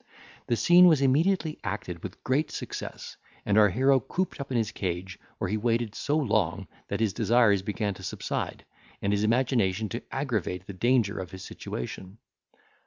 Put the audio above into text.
The scene was immediately acted with great success, and our hero cooped up in his cage, where he waited so long, that his desires began to subside, and his imagination to aggravate the danger of his situation.